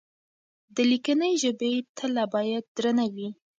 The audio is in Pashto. د ليکنۍ ژبې تله بايد درنه وي.